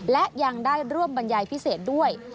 และยังได้ร่วมบรรยายพิเศษด้วย